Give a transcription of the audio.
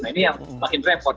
nah ini yang makin repot